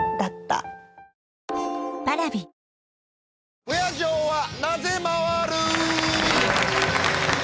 「不夜城はなぜ回る」